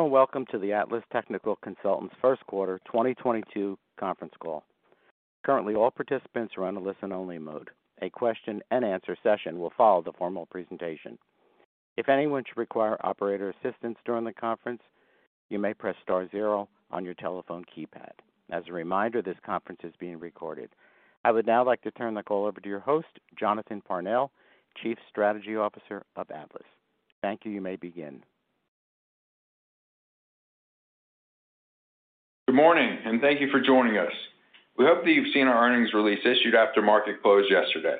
Hello, and welcome to the Atlas Technical Consultants first quarter 2022 conference call. Currently, all participants are on a listen-only mode. A question-and-answer session will follow the formal presentation. If anyone should require operator assistance during the conference, you may press star zero on your telephone keypad. As a reminder, this conference is being recorded. I would now like to turn the call over to your host, Jonathan Parnell, Chief Strategy Officer of Atlas. Thank you. You may begin. Good morning, and thank you for joining us. We hope that you've seen our earnings release issued after market close yesterday.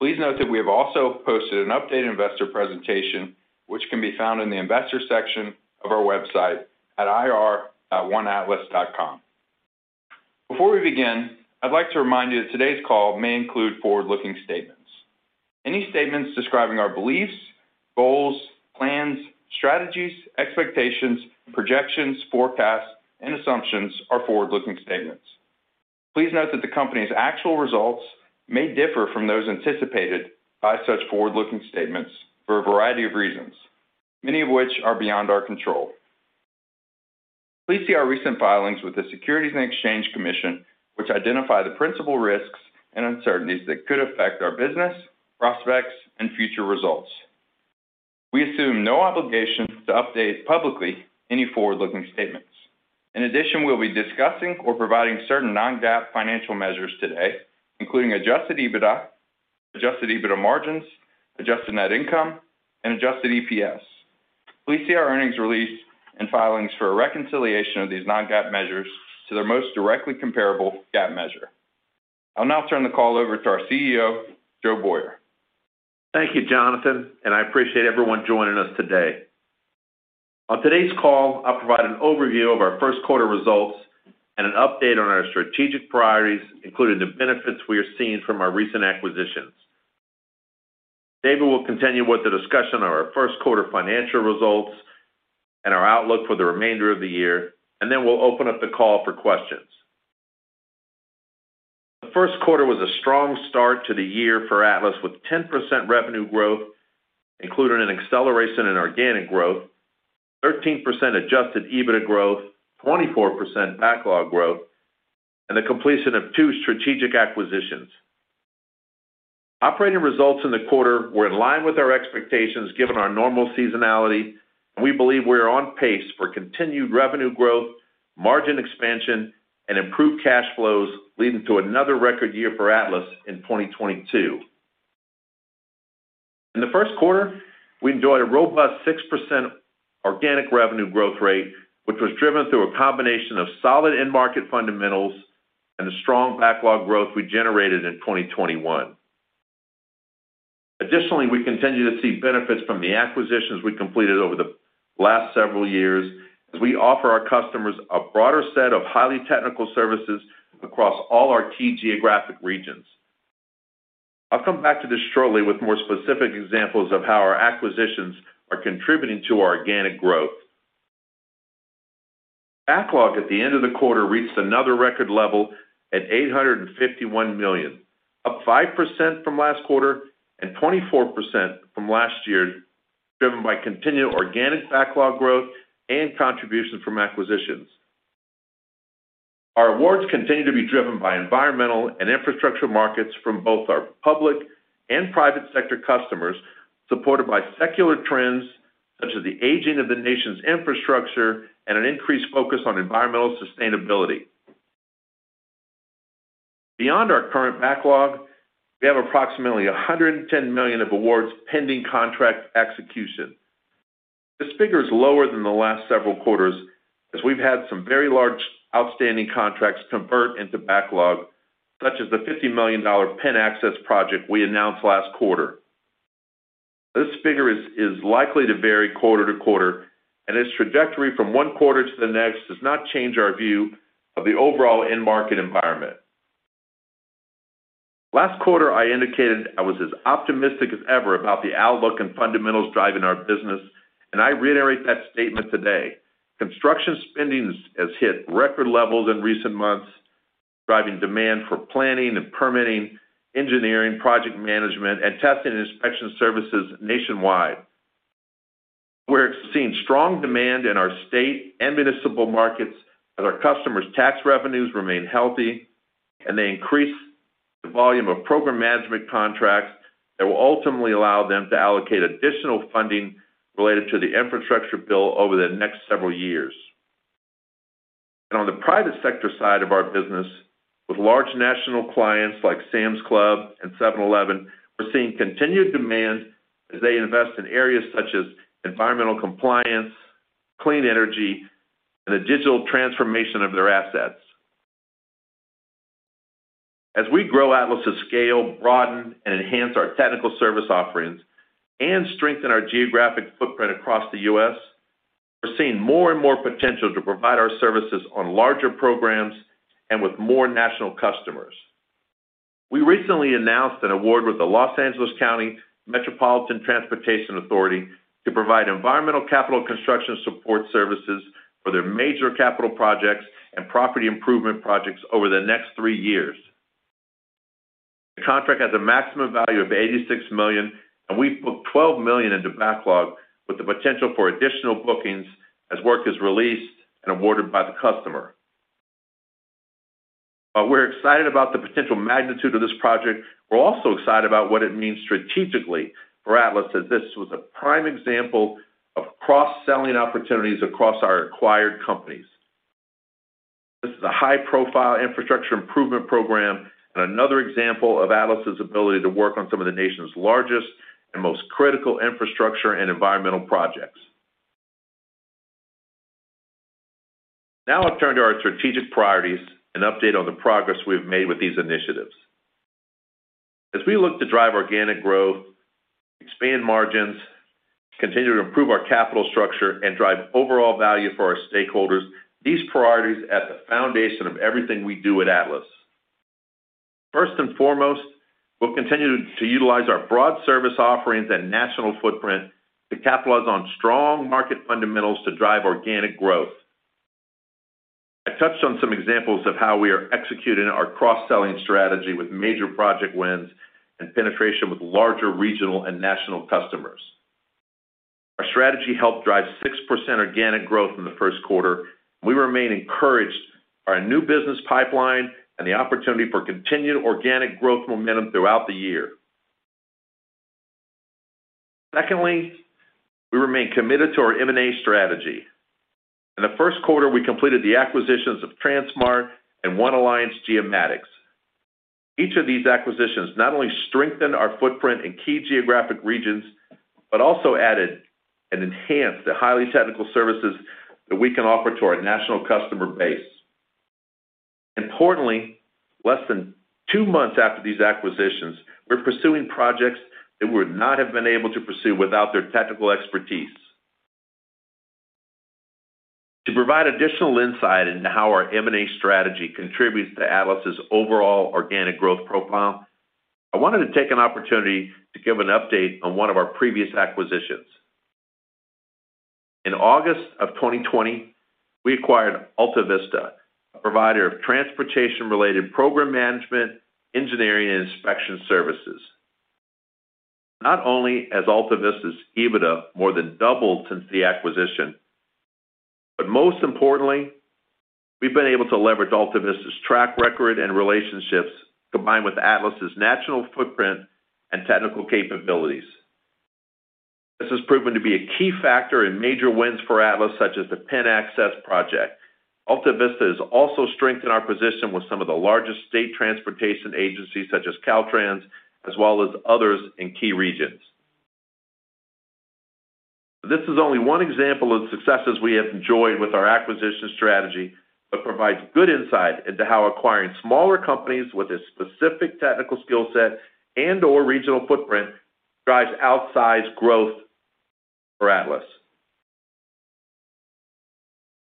Please note that we have also posted an updated investor presentation which can be found in the investor section of our website at ir.oneatlas.com. Before we begin, I'd like to remind you that today's call may include forward-looking statements. Any statements describing our beliefs, goals, plans, strategies, expectations, projections, forecasts, and assumptions are forward-looking statements. Please note that the company's actual results may differ from those anticipated by such forward-looking statements for a variety of reasons, many of which are beyond our control. Please see our recent filings with the Securities and Exchange Commission, which identify the principal risks and uncertainties that could affect our business, prospects, and future results. We assume no obligation to update publicly any forward-looking statements. In addition, we'll be discussing or providing certain non-GAAP financial measures today, including Adjusted EBITDA, Adjusted EBITDA margins, adjusted net income, and Adjusted EPS. Please see our earnings release and filings for a reconciliation of these non-GAAP measures to their most directly comparable GAAP measure. I'll now turn the call over to our CEO, Joe Boyer. Thank you, Jonathan, and I appreciate everyone joining us today. On today's call, I'll provide an overview of our first quarter results and an update on our strategic priorities, including the benefits we are seeing from our recent acquisitions. David will continue with the discussion of our first quarter financial results and our outlook for the remainder of the year, and then we'll open up the call for questions. The first quarter was a strong start to the year for Atlas, with 10% revenue growth, including an acceleration in organic growth, 13% Adjusted EBITDA growth, 24% backlog growth, and the completion of two strategic acquisitions. Operating results in the quarter were in line with our expectations given our normal seasonality, and we believe we are on pace for continued revenue growth, margin expansion, and improved cash flows leading to another record year for Atlas in 2022. In the first quarter, we enjoyed a robust 6% organic revenue growth rate, which was driven through a combination of solid end market fundamentals and the strong backlog growth we generated in 2021. Additionally, we continue to see benefits from the acquisitions we completed over the last several years as we offer our customers a broader set of highly technical services across all our key geographic regions. I'll come back to this shortly with more specific examples of how our acquisitions are contributing to our organic growth. Backlog at the end of the quarter reached another record level at $851 million, up 5% from last quarter and 24% from last year, driven by continued organic backlog growth and contributions from acquisitions. Our awards continue to be driven by environmental and infrastructure markets from both our public and private sector customers, supported by secular trends such as the aging of the nation's infrastructure and an increased focus on environmental sustainability. Beyond our current backlog, we have approximately $110 million of awards pending contract execution. This figure is lower than the last several quarters as we've had some very large outstanding contracts convert into backlog, such as the $50 million Penn Access project we announced last quarter. This figure is likely to vary quarter to quarter, and its trajectory from one quarter to the next does not change our view of the overall end market environment. Last quarter, I indicated I was as optimistic as ever about the outlook and fundamentals driving our business, and I reiterate that statement today. Construction spending has hit record levels in recent months, driving demand for planning and permitting, engineering, project management, and testing and inspection services nationwide. We're seeing strong demand in our state and municipal markets as our customers' tax revenues remain healthy, and they increase the volume of program management contracts that will ultimately allow them to allocate additional funding related to the infrastructure bill over the next several years. On the private sector side of our business, with large national clients like Sam's Club and 7-Eleven, we're seeing continued demand as they invest in areas such as environmental compliance, clean energy, and the digital transformation of their assets. As we grow Atlas' scale, broaden and enhance our technical service offerings, and strengthen our geographic footprint across the U.S., we're seeing more and more potential to provide our services on larger programs and with more national customers. We recently announced an award with the Los Angeles County Metropolitan Transportation Authority to provide environmental capital construction support services for their major capital projects and property improvement projects over the next three years. The contract has a maximum value of $86 million, and we've booked $12 million into backlog with the potential for additional bookings as work is released and awarded by the customer. While we're excited about the potential magnitude of this project, we're also excited about what it means strategically for Atlas, as this was a prime example of cross-selling opportunities across our acquired companies. This is a high-profile infrastructure improvement program and another example of Atlas's ability to work on some of the nation's largest and most critical infrastructure and environmental projects. Now, I'll turn to our strategic priorities, an update on the progress we've made with these initiatives. As we look to drive organic growth, expand margins, continue to improve our capital structure, and drive overall value for our stakeholders, these priorities are at the foundation of everything we do at Atlas. First and foremost, we'll continue to utilize our broad service offerings and national footprint to capitalize on strong market fundamentals to drive organic growth. I touched on some examples of how we are executing our cross-selling strategy with major project wins and penetration with larger regional and national customers. Our strategy helped drive 6% organic growth in the first quarter. We remain encouraged by our new business pipeline and the opportunity for continued organic growth momentum throughout the year. Secondly, we remain committed to our M&A strategy. In the first quarter, we completed the acquisitions of TranSmart and 1 Alliance Geomatics. Each of these acquisitions not only strengthened our footprint in key geographic regions, but also added and enhanced the highly technical services that we can offer to our national customer base. Importantly, less than two months after these acquisitions, we're pursuing projects that we would not have been able to pursue without their technical expertise. To provide additional insight into how our M&A strategy contributes to Atlas's overall organic growth profile, I wanted to take an opportunity to give an update on one of our previous acquisitions. In August of 2020, we acquired Alta Vista, a provider of transportation-related program management, engineering, and inspection services. Not only has Alta Vista's EBITDA more than doubled since the acquisition, but most importantly, we've been able to leverage Alta Vista's track record and relationships combined with Atlas's national footprint and technical capabilities. This has proven to be a key factor in major wins for Atlas, such as the Penn Access project. Alta Vista has also strengthened our position with some of the largest state transportation agencies, such as Caltrans, as well as others in key regions. This is only one example of the successes we have enjoyed with our acquisition strategy, but provides good insight into how acquiring smaller companies with a specific technical skill set and/or regional footprint drives outsized growth for Atlas.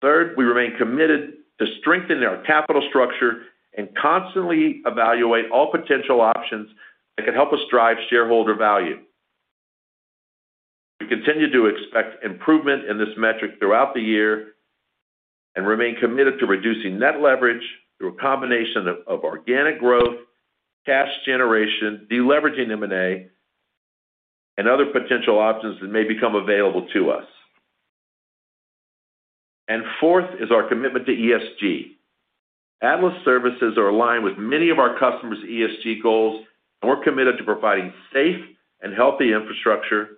Third, we remain committed to strengthening our capital structure and constantly evaluate all potential options that can help us drive shareholder value. We continue to expect improvement in this metric throughout the year and remain committed to reducing net leverage through a combination of organic growth, cash generation, deleveraging M&A, and other potential options that may become available to us. Fourth is our commitment to ESG. Atlas services are aligned with many of our customers' ESG goals, and we're committed to providing safe and healthy infrastructure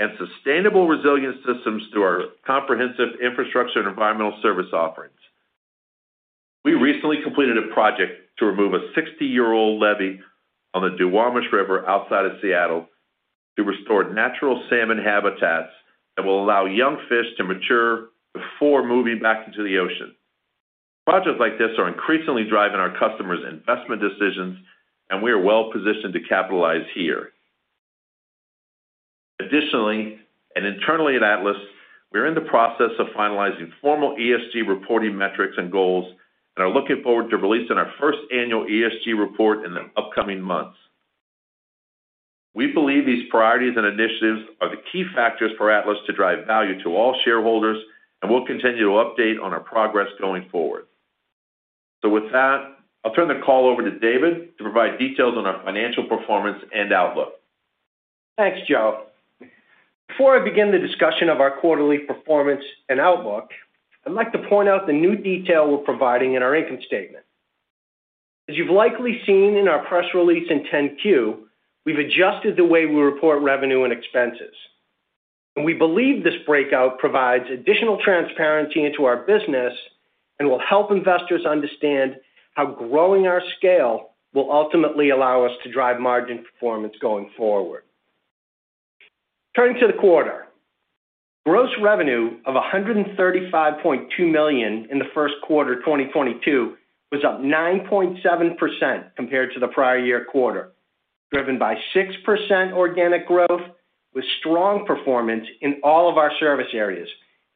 and sustainable resilient systems through our comprehensive infrastructure and environmental service offerings. We recently completed a project to remove a 60-year-old levee on the Duwamish River outside of Seattle to restore natural salmon habitats that will allow young fish to mature before moving back into the ocean. Projects like this are increasingly driving our customers' investment decisions, and we are well-positioned to capitalize here. Additionally and internally at Atlas, we're in the process of finalizing formal ESG reporting metrics and goals and are looking forward to releasing our first annual ESG report in the upcoming months. We believe these priorities and initiatives are the key factors for Atlas to drive value to all shareholders, and we'll continue to update on our progress going forward. With that, I'll turn the call over to David to provide details on our financial performance and outlook. Thanks, Joe. Before I begin the discussion of our quarterly performance and outlook, I'd like to point out the new detail we're providing in our income statement. As you've likely seen in our press release and 10-Q, we've adjusted the way we report revenue and expenses. We believe this breakout provides additional transparency into our business and will help investors understand how growing our scale will ultimately allow us to drive margin performance going forward. Turning to the quarter. Gross revenue of $135.2 million in the first quarter of 2022 was up 9.7% compared to the prior year quarter, driven by 6% organic growth with strong performance in all of our service areas,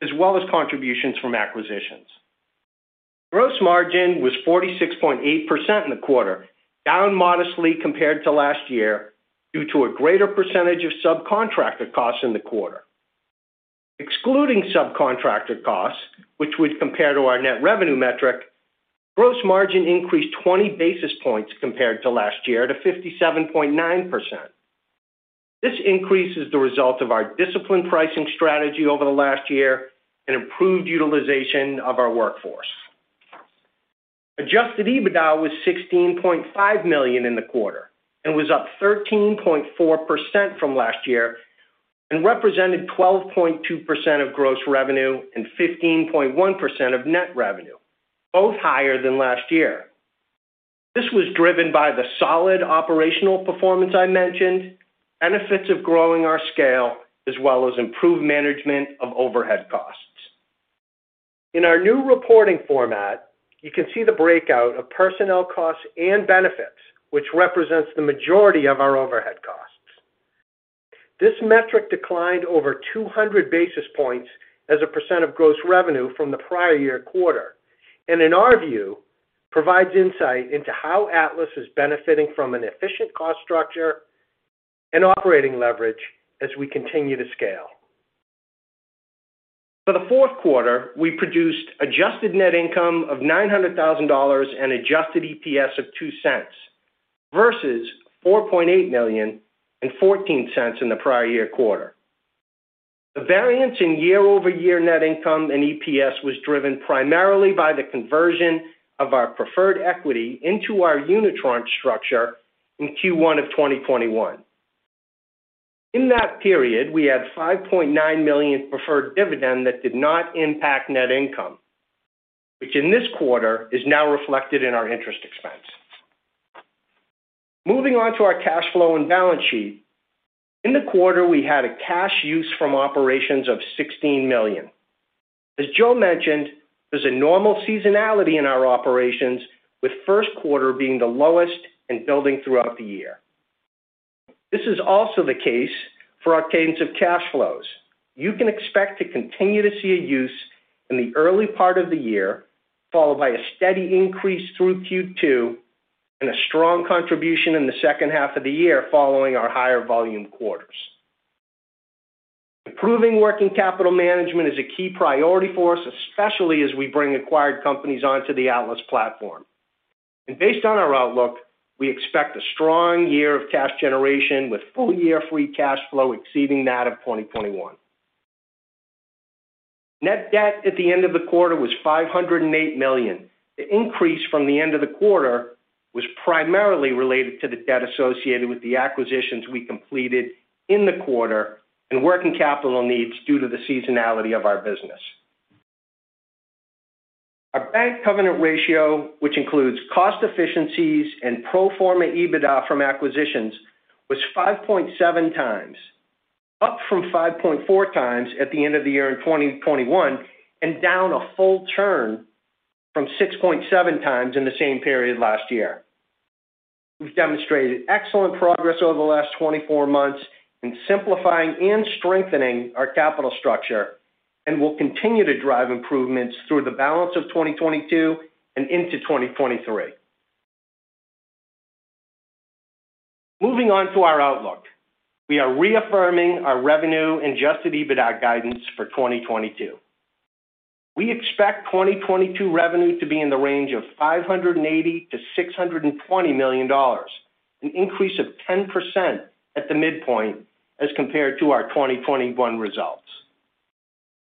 as well as contributions from acquisitions. Gross margin was 46.8% in the quarter, down modestly compared to last year due to a greater percentage of subcontractor costs in the quarter. Excluding subcontractor costs, which would compare to our net revenue metric, gross margin increased 20 basis points compared to last year to 57.9%. This increase is the result of our disciplined pricing strategy over the last year and improved utilization of our workforce. Adjusted EBITDA was $16.5 million in the quarter and was up 13.4% from last year and represented 12.2% of gross revenue and 15.1% of net revenue, both higher than last year. This was driven by the solid operational performance I mentioned, benefits of growing our scale, as well as improved management of overhead costs. In our new reporting format, you can see the breakout of personnel costs and benefits, which represents the majority of our overhead costs. This metric declined over 200 basis points as a percent of gross revenue from the prior year quarter and in our view, provides insight into how Atlas is benefiting from an efficient cost structure and operating leverage as we continue to scale. For the fourth quarter, we produced adjusted net income of $900,000 and adjusted EPS of $0.02, versus $4.8 million and $0.14 in the prior year quarter. The variance in year-over-year net income and EPS was driven primarily by the conversion of our preferred equity into our unitranche structure in Q1 of 2021. In that period, we had $5.9 million preferred dividend that did not impact net income, which in this quarter is now reflected in our interest expense. Moving on to our cash flow and balance sheet. In the quarter, we had a cash use from operations of $16 million. As Joe mentioned, there's a normal seasonality in our operations, with first quarter being the lowest and building throughout the year. This is also the case for our cadence of cash flows. You can expect to continue to see a use in the early part of the year, followed by a steady increase through Q2 and a strong contribution in the second half of the year following our higher volume quarters. Improving working capital management is a key priority for us, especially as we bring acquired companies onto the Atlas platform. Based on our outlook, we expect a strong year of cash generation with full year free cash flow exceeding that of 2021. Net debt at the end of the quarter was $508 million. The increase from the end of the quarter was primarily related to the debt associated with the acquisitions we completed in the quarter and working capital needs due to the seasonality of our business. Our bank covenant ratio, which includes cost efficiencies and pro forma EBITDA from acquisitions, was 5.7x, up from 5.4x at the end of the year in 2021, and down a full turn from 6.7x in the same period last year. We've demonstrated excellent progress over the last 24 months in simplifying and strengthening our capital structure, and we'll continue to drive improvements through the balance of 2022 and into 2023. Moving on to our outlook. We are reaffirming our revenue and Adjusted EBITDA guidance for 2022. We expect 2022 revenue to be in the range of $580 million-$620 million, an increase of 10% at the midpoint as compared to our 2021 results.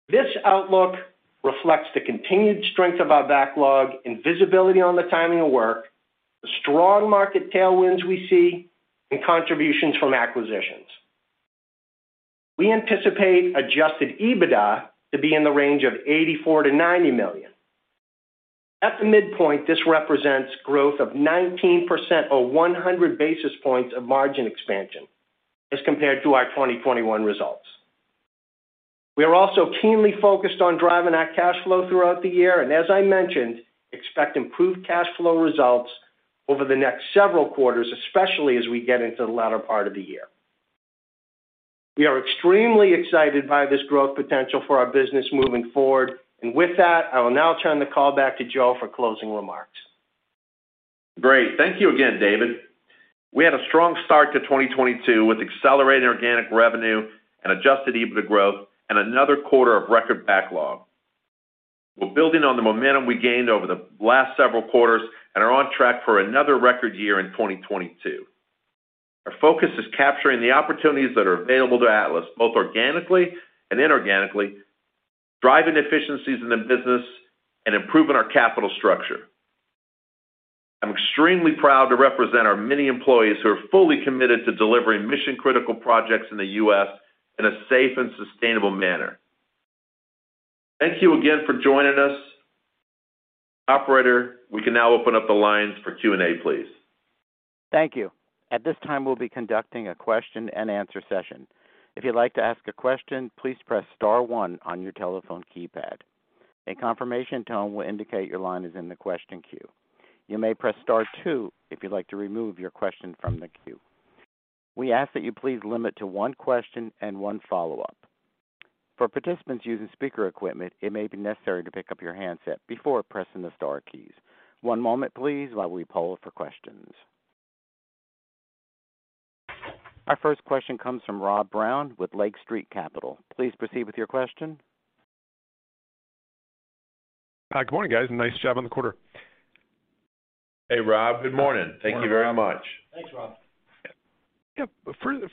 This outlook reflects the continued strength of our backlog and visibility on the timing of work, the strong market tailwinds we see, and contributions from acquisitions. We anticipate Adjusted EBITDA to be in the range of $84 million-$90 million. At the midpoint, this represents growth of 19% or 100 basis points of margin expansion as compared to our 2021 results. We are also keenly focused on driving our cash flow throughout the year and as I mentioned, expect improved cash flow results over the next several quarters, especially as we get into the latter part of the year. We are extremely excited by this growth potential for our business moving forward. With that, I will now turn the call back to Joe for closing remarks. Great. Thank you again, David. We had a strong start to 2022 with accelerated organic revenue and Adjusted EBITDA growth and another quarter of record backlog. We're building on the momentum we gained over the last several quarters and are on track for another record year in 2022. Our focus is capturing the opportunities that are available to Atlas, both organically and inorganically, driving efficiencies in the business, and improving our capital structure. I'm extremely proud to represent our many employees who are fully committed to delivering mission-critical projects in the U.S. in a safe and sustainable manner. Thank you again for joining us. Operator, we can now open up the lines for Q&A, please. Thank you. At this time, we'll be conducting a question-and-answer session. If you'd like to ask a question, please press star one on your telephone keypad. A confirmation tone will indicate your line is in the question queue. You may press star two if you'd like to remove your question from the queue. We ask that you please limit to one question and one follow-up. For participants using speaker equipment, it may be necessary to pick up your handset before pressing the star keys. One moment, please, while we poll for questions. Our first question comes from Rob Brown with Lake Street Capital. Please proceed with your question. Hi. Good morning, guys. Nice job on the quarter. Hey, Rob. Good morning. Good morning, Rob. Thank you very much. Thanks, Rob. Yeah.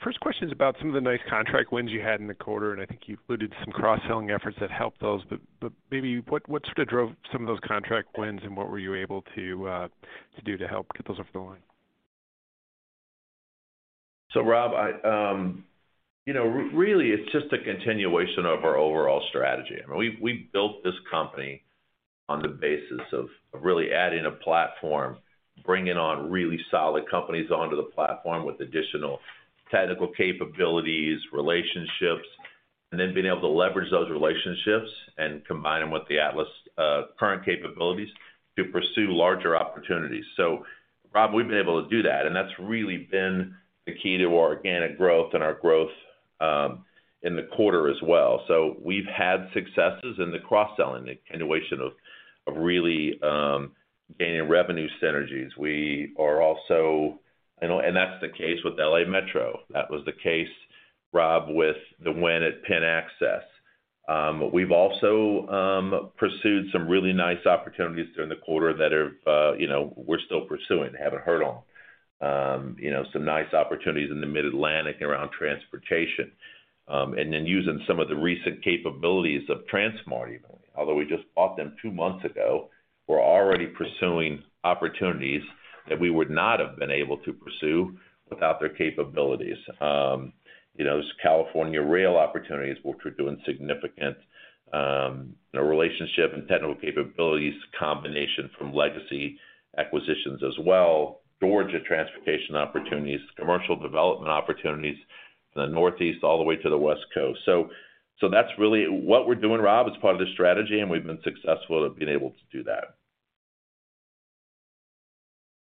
First question is about some of the nice contract wins you had in the quarter, and I think you've alluded to some cross-selling efforts that helped those. Maybe what sort of drove some of those contract wins, and what were you able to do to help get those over the line? Rob, I you know really, it's just a continuation of our overall strategy. I mean, we built this company on the basis of really adding a platform, bringing on really solid companies onto the platform with additional technical capabilities, relationships, and then being able to leverage those relationships and combine them with the Atlas current capabilities to pursue larger opportunities. Rob, we've been able to do that, and that's really been the key to our organic growth and our growth in the quarter as well. We've had successes in the cross-selling, the continuation of really gaining revenue synergies. We are also and that's the case with LA Metro. That was the case, Rob, with the win at Penn Access. We've also pursued some really nice opportunities during the quarter that are, you know, we're still pursuing, haven't heard on. You know, some nice opportunities in the Mid-Atlantic around transportation. Then, using some of the recent capabilities of Transmart, although we just bought them 2 months ago, we're already pursuing opportunities that we would not have been able to pursue without their capabilities. You know, those California rail opportunities, which we're doing significant relationship and technical capabilities combination from legacy acquisitions as well. Georgia transportation opportunities, commercial development opportunities from the Northeast all the way to the West Coast. So that's really what we're doing, Rob, as part of this strategy, and we've been successful at being able to do that.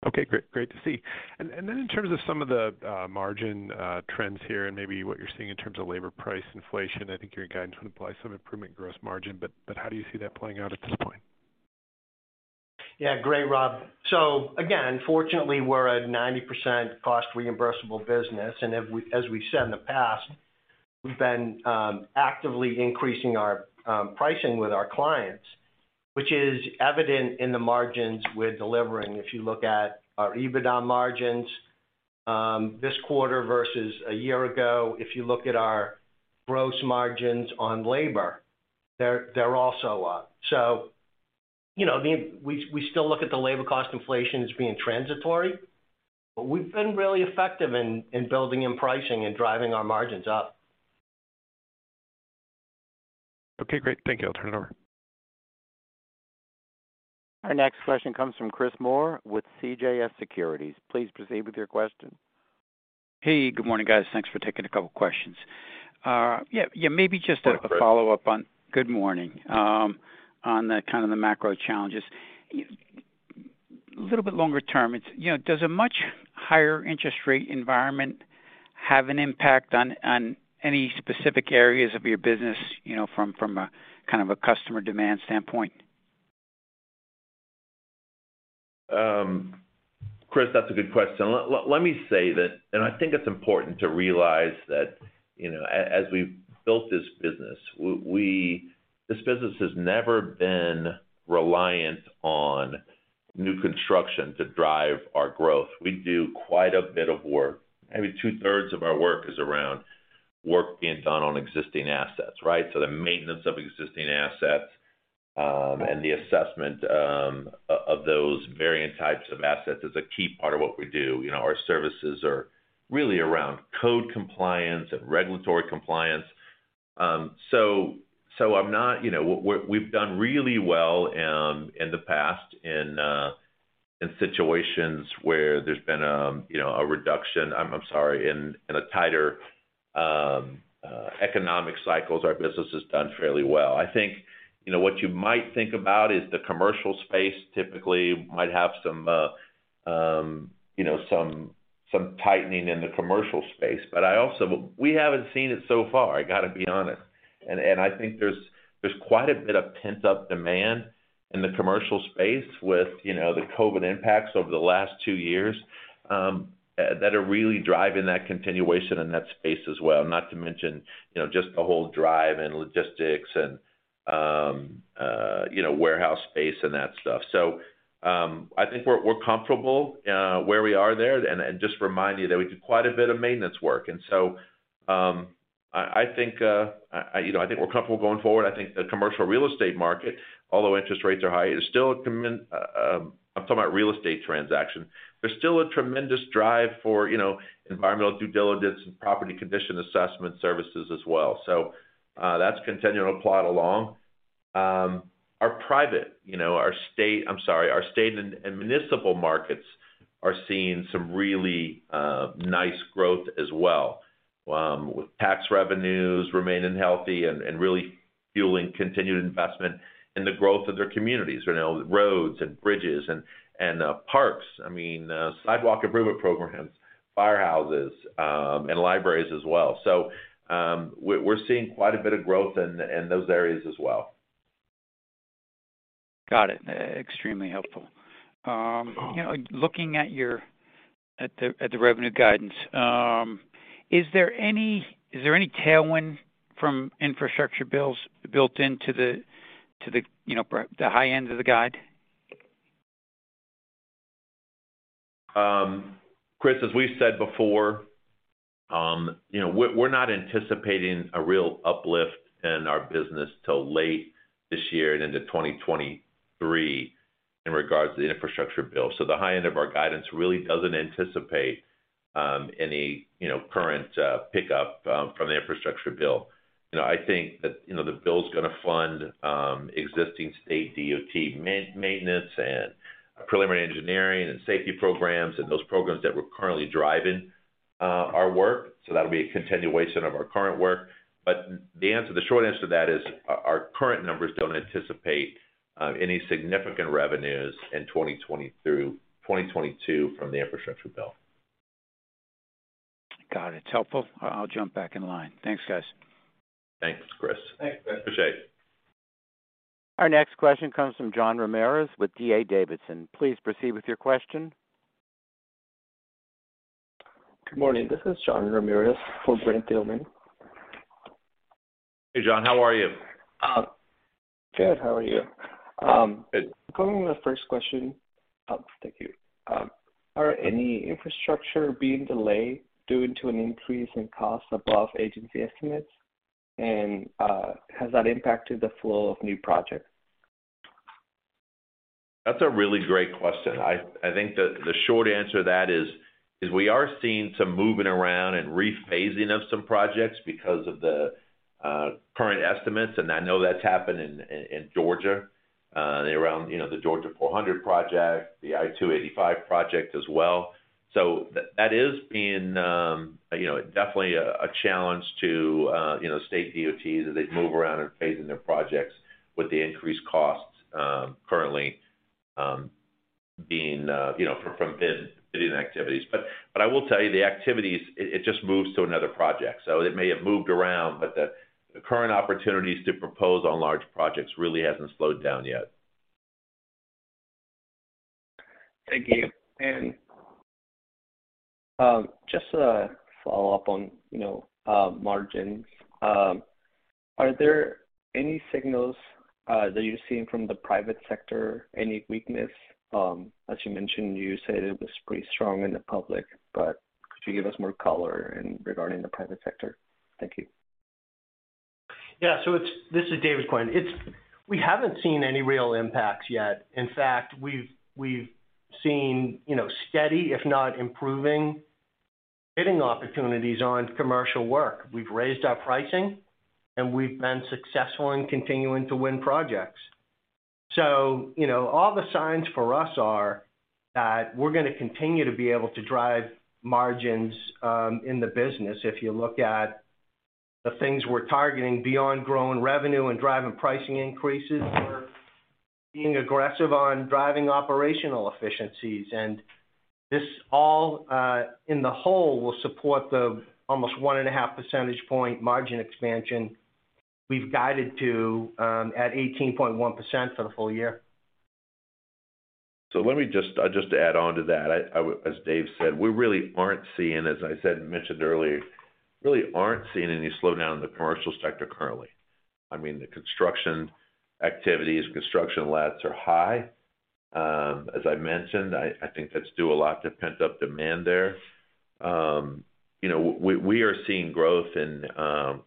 Okay. Great to see. In terms of some of the margin trends here and maybe what you're seeing in terms of labor price inflation, I think your guidance would imply some improvement gross margin. How do you see that playing out at this point? Yeah. Great, Rob. Again, fortunately, we're a 90% cost reimbursable business, and as we said in the past, we've been actively increasing our pricing with our clients, which is evident in the margins we're delivering. If you look at our EBITDA margins this quarter versus a year ago. If you look at our gross margins on labor, they're also up. You know, we still look at the labor cost inflation as being transitory, but we've been really effective in building and pricing and driving our margins up. Okay, great. Thank you. I'll turn it over. Our next question comes from Chris Moore with CJS Securities. Please proceed with your question. Hey, good morning, guys. Thanks for taking a couple of questions. Yeah, maybe just a- Morning, Chris. Good morning. On the kind of the macro challenges. A little bit longer term. It's, you know, does a much higher interest rate environment have an impact on any specific areas of your business, you know, from a kind of a customer demand standpoint? Chris, that's a good question. Let me say that. I think it's important to realize that, you know, as we've built this business, this business has never been reliant on new construction to drive our growth. We do quite a bit of work. Maybe 2/3 of our work is around work being done on existing assets, right? The maintenance of existing assets, and the assessment of those varying types of assets is a key part of what we do. You know, our services are really around code compliance and regulatory compliance. I'm not. You know, we've done really well in the past in situations where there's been a reduction. I'm sorry. In a tighter economic cycles, our business has done fairly well. I think, you know, what you might think about is the commercial space typically might have some, you know, some tightening in the commercial space. We haven't seen it so far, I gotta be honest. I think there's quite a bit of pent-up demand in the commercial space with, you know, the COVID impacts over the last two years that are really driving that continuation in that space as well. Not to mention, you know, just the whole drive and logistics and, you know, warehouse space and that stuff. I think we're comfortable where we are there, and just remind you that we do quite a bit of maintenance work. I think, you know, I think we're comfortable going forward. I think the commercial real estate market, although interest rates are high, is still tremendous. I'm talking about real estate transactions. There's still a tremendous drive for, you know, environmental due diligence and property condition assessment services as well. That's continuing to plod along. I'm sorry, our state and municipal markets are seeing some really nice growth as well. With tax revenues remaining healthy and really fueling continued investment in the growth of their communities. You know, roads and bridges and parks. I mean, sidewalk improvement programs, firehouses, and libraries as well. We're seeing quite a bit of growth in those areas as well. Got it. Extremely helpful. You know, looking at the revenue guidance, is there any tailwind from infrastructure bills built into the, you know, high end of the guide? Chris, as we've said before, you know, we're not anticipating a real uplift in our business till late this year and into 2023 in regards to the infrastructure bill. The high end of our guidance really doesn't anticipate any, you know, current pickup from the infrastructure bill. You know, I think that, you know, the bill is gonna fund existing state DOT maintenance and preliminary engineering and safety programs and those programs that we're currently driving our work. That'll be a continuation of our current work. The short answer to that is our current numbers don't anticipate any significant revenues in 2020 through 2022 from the infrastructure bill. Got it. It's helpful. I'll jump back in line. Thanks, guys. Thanks, Chris. Thanks, Chris. Appreciate it. Our next question comes from Jean Ramirez with D.A. Davidson. Please proceed with your question. Good morning. This is Jean Ramirez for Brent Thielman. Hey, Jean, how are you? Good. How are you? Going with the first question. Thank you. Are any infrastructure being delayed due to an increase in costs above agency estimates? Has that impacted the flow of new projects? That's a really great question. I think the short answer to that is we are seeing some moving around and rephasing of some projects because of the current estimates, and I know that's happened in Georgia around the Georgia 400 project, the I-285 project as well. That is being definitely a challenge to state DOTs as they move around and phasing their projects with the increased costs currently being from bidding activities. I will tell you the activities, it just moves to another project. It may have moved around, but the current opportunities to propose on large projects really hasn't slowed down yet. Thank you. Just to follow up on, you know, margins. Are there any signals that you're seeing from the private sector, any weakness? As you mentioned, you said it was pretty strong in the public, but could you give us more color in regarding the private sector? Thank you. This is David Quinn. We haven't seen any real impacts yet. In fact, we've seen, you know, steady, if not improving, bidding opportunities on commercial work. We've raised our pricing, and we've been successful in continuing to win projects. You know, all the signs for us are that we're gonna continue to be able to drive margins in the business. If you look at the things we're targeting beyond growing revenue and driving pricing increases, we're being aggressive on driving operational efficiencies. This all in the whole will support the almost 1.5 percentage point margin expansion we've guided to at 18.1% for the full year. Let me just add on to that. As David said, we really aren't seeing, as I mentioned earlier, really aren't seeing any slowdown in the commercial sector currently. I mean, the construction activities, construction labs are high. As I mentioned, I think that's due a lot to pent-up demand there. You know, we are seeing growth in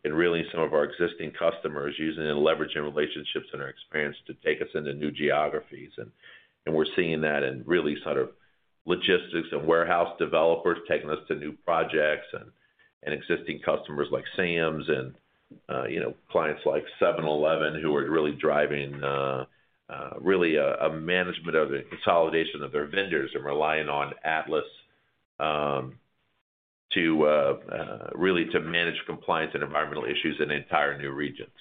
really some of our existing customers using and leveraging relationships and our experience to take us into new geographies. We're seeing that in really sort of logistics and warehouse developers taking us to new projects and existing customers like Sam's and you know clients like 7-Eleven who are really driving really a management of the consolidation of their vendors and relying on Atlas to really manage compliance and environmental issues in entire new regions.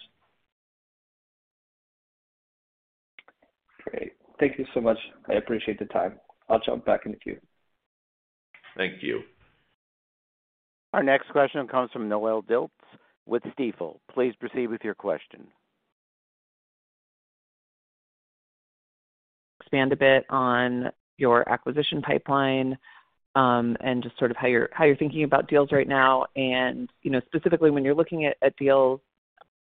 Great. Thank you so much. I appreciate the time. I'll jump back in the queue. Thank you. Our next question comes from Noelle Dilts with Stifel. Please proceed with your question. Expand a bit on your acquisition pipeline, and just sort of how you're thinking about deals right now. You know, specifically when you're looking at deals,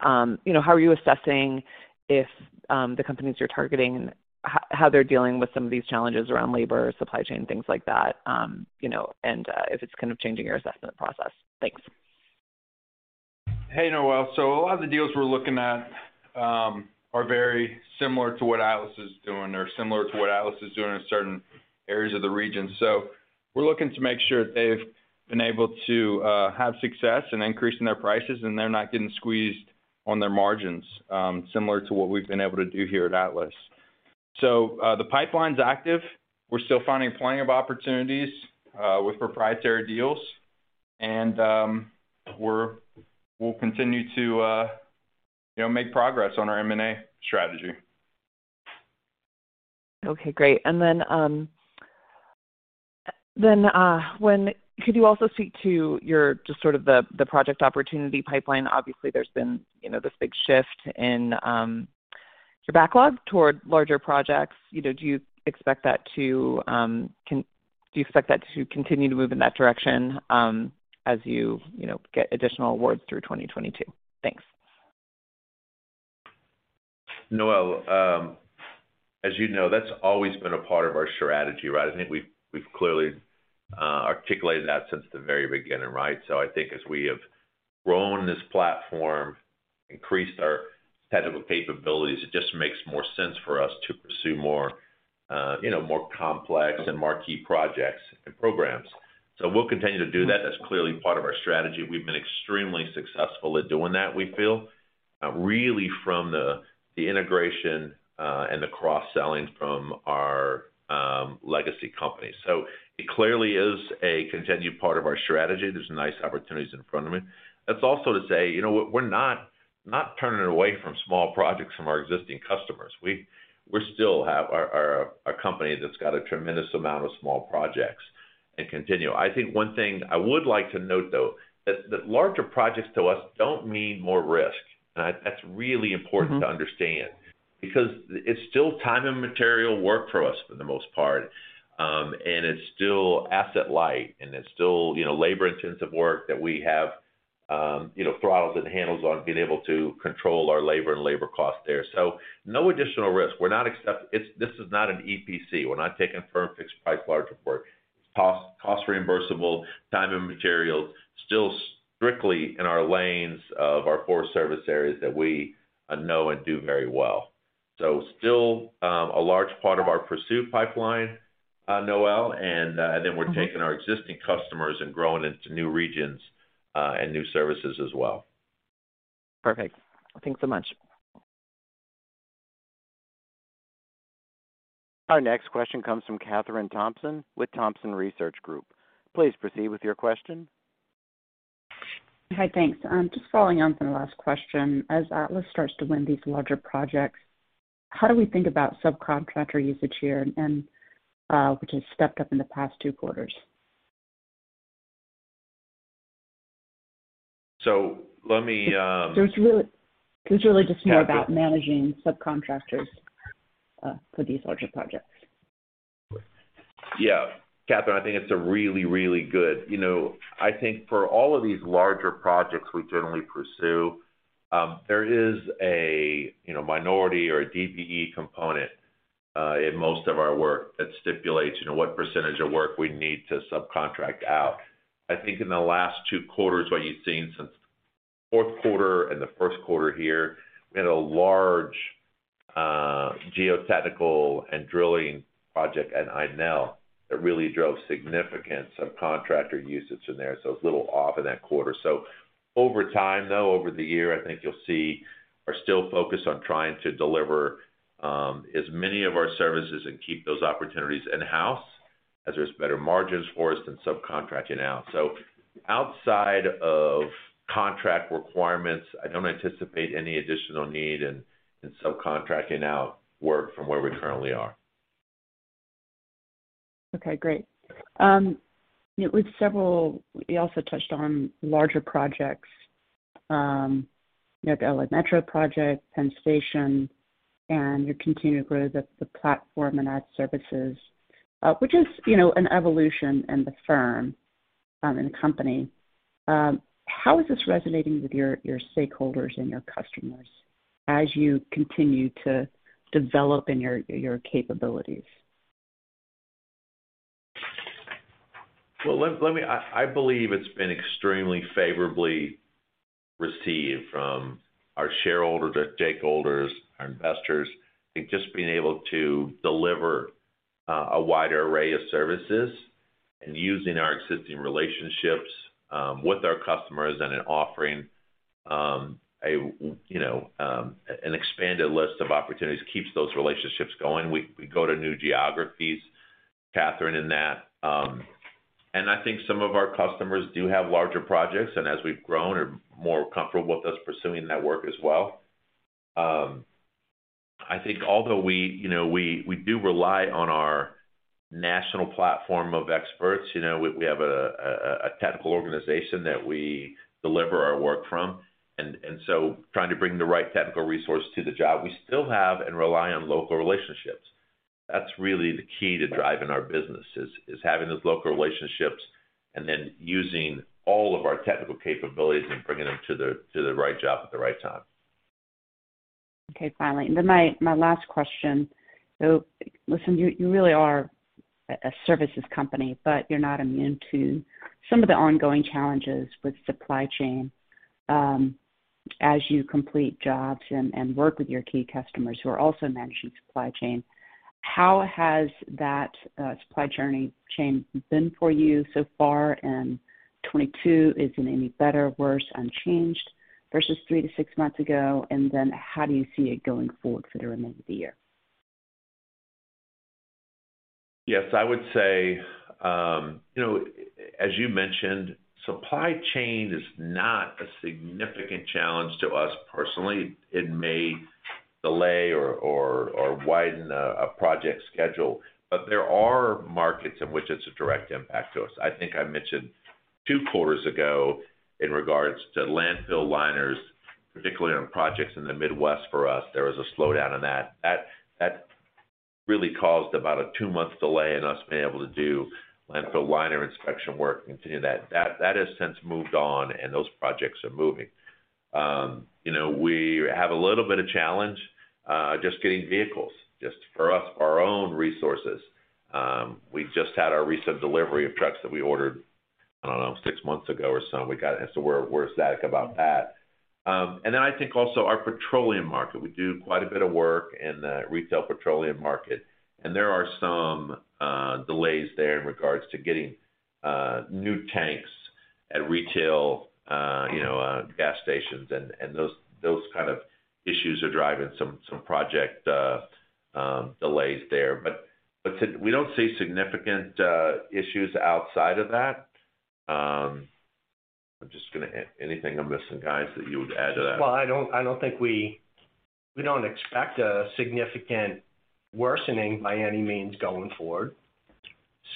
you know, how are you assessing if the companies you're targeting, how they're dealing with some of these challenges around labor, supply chain, things like that, you know, and if it's kind of changing your assessment process. Thanks. Hey, Noelle. A lot of the deals we're looking at are very similar to what Atlas is doing or similar to what Atlas is doing in certain areas of the region. We're looking to make sure they've been able to have success in increasing their prices, and they're not getting squeezed on their margins, similar to what we've been able to do here at Atlas. The pipeline's active. We're still finding plenty of opportunities with proprietary deals, and we'll continue to, you know, make progress on our M&A strategy. Okay, great. Could you also speak to your, just sort of the project opportunity pipeline? Obviously, there's been, you know, this big shift in, your backlog toward larger projects. You know, do you expect that to continue to move in that direction, as you know, get additional awards through 2022? Thanks. Noelle, as you know, that's always been a part of our strategy, right? I think we've clearly articulated that since the very beginning, right? I think as we have grown this platform, increased our technical capabilities, it just makes more sense for us to pursue more, you know, more complex and marquee projects and programs. We'll continue to do that. That's clearly part of our strategy. We've been extremely successful at doing that, we feel, really from the integration and the cross-selling from our legacy company. It clearly is a continued part of our strategy. There's nice opportunities in front of me. That's also to say, you know what, we're not turning away from small projects from our existing customers. We still have our a company that's got a tremendous amount of small projects and continue. I think one thing I would like to note, though, that larger projects to us don't mean more risk. That's really important. Mm-hmm. To understand because it's still time and material work for us for the most part, and it's still asset light, and it's still, you know, labor-intensive work that we have, you know, throttles and handles on being able to control our labor and labor costs there. No additional risk. This is not an EPC. We're not taking firm fixed price larger work. Cost reimbursable, time and materials, still strictly in our lanes of our core service areas that we know and do very well. Still a large part of our pursuit pipeline, Noelle, and then we're taking our existing customers and growing into new regions and new services as well. Perfect. Thanks so much. Our next question comes from Kathryn Thompson with Thompson Research Group. Please proceed with your question. Hi. Thanks. Just following on from the last question. As Atlas starts to win these larger projects, how do we think about subcontractor usage here and, which has stepped up in the past two quarters? Let me- It's really just more about managing subcontractors for these larger projects. Yeah. Kathryn, I think it's a really, really good. You know, I think for all of these larger projects we generally pursue, there is a, you know, minority or a DBE component, in most of our work that stipulates, you know, what percentage of work we need to subcontract out. I think in the last two quarters, what you've seen since fourth quarter and the first quarter here, we had a large, geotechnical and drilling project at INL that really drove significant subcontractor usage in there, so it's a little off in that quarter. Over time, though, over the year, I think you'll see we're still focused on trying to deliver, as many of our services and keep those opportunities in-house as there's better margins for us than subcontracting out. Outside of contract requirements, I don't anticipate any additional need in subcontracting out work from where we currently are. Okay, great. You also touched on larger projects, you know, the LA Metro project, Penn Station, and you continue to grow the platform and add services, which is, you know, an evolution in the firm and company. How is this resonating with your stakeholders and your customers as you continue to develop in your capabilities? Well, let me... I believe it's been extremely favorably received from our shareholders, our stakeholders, our investors. I think just being able to deliver a wider array of services and using our existing relationships with our customers and in offering a, you know, an expanded list of opportunities keeps those relationships going. We go to new geographies, Kathryn, in that, and I think some of our customers do have larger projects, and as we've grown, are more comfortable with us pursuing that work as well. I think although we, you know, we do rely on our national platform of experts, you know, we have a technical organization that we deliver our work from, and so trying to bring the right technical resource to the job, we still have and rely on local relationships. That's really the key to driving our business is having those local relationships and then using all of our technical capabilities and bringing them to the right job at the right time. Okay, finally. My last question. Listen, you really are a services company, but you're not immune to some of the ongoing challenges with supply chain, as you complete jobs and work with your key customers who are also managing supply chain. How has that supply chain been for you so far in 2022? Is it any better, worse, unchanged versus 3-6 months ago? How do you see it going forward for the remainder of the year? Yes, I would say, you know, as you mentioned, supply chain is not a significant challenge to us personally. It may delay or widen a project schedule. But there are markets in which it's a direct impact to us. I think I mentioned two quarters ago in regards to landfill liners, particularly on projects in the Midwest for us, there was a slowdown on that. That really caused about a two-month delay in us being able to do landfill liner inspection work and to do that. That has since moved on and those projects are moving. You know, we have a little bit of challenge just getting vehicles just for us, our own resources. We just had our recent delivery of trucks that we ordered, I don't know, six months ago or so. We got it, so we're ecstatic about that. I think also our petroleum market. We do quite a bit of work in the retail petroleum market, and there are some delays there in regards to getting new tanks at retail, you know, gas stations and those kind of issues are driving some project delays there. But we don't see significant issues outside of that. I'm just gonna add. Anything I'm missing, guys, that you would add to that? Well, I don't think we don't expect a significant worsening by any means going forward.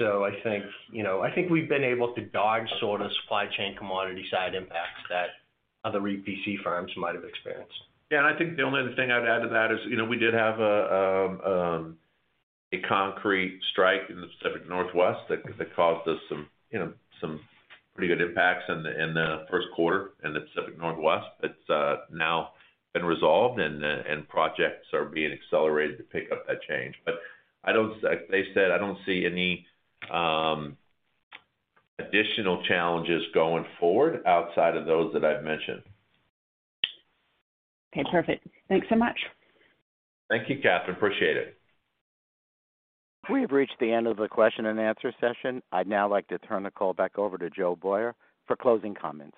I think, you know, I think we've been able to dodge sort of supply chain commodity side impacts that other E&C firms might have experienced. Yeah, I think the only other thing I'd add to that is, you know, we did have a concrete strike in the Pacific Northwest that caused us some, you know, some pretty good impacts in the first quarter in the Pacific Northwest. It's now been resolved and projects are being accelerated to pick up that change. But like they said, I don't see any additional challenges going forward outside of those that I've mentioned. Okay, perfect. Thanks so much. Thank you, Kathryn. Appreciate it. We have reached the end of the question and answer session. I'd now like to turn the call back over to Joe Boyer for closing comments.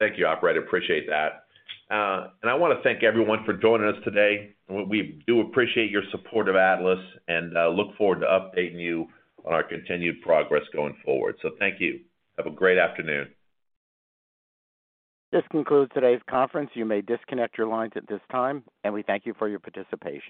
Thank you, operator. Appreciate that. I wanna thank everyone for joining us today, and we do appreciate your support of Atlas, and look forward to updating you on our continued progress going forward. Thank you. Have a great afternoon. This concludes today's conference. You may disconnect your lines at this time, and we thank you for your participation.